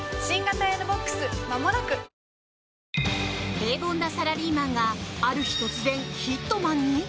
平凡なサラリーマンがある日突然、ヒットマンに。